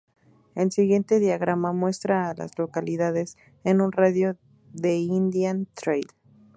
El siguiente diagrama muestra a las localidades en un radio de de Indian Trail.